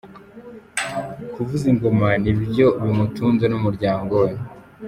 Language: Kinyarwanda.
Kuvuza ingoma nibyo bimutunze n'umuryango we.